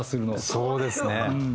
そうですね。